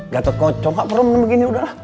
gatot kocok kak perlu minum begini udahlah